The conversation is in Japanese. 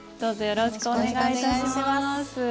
よろしくお願いします。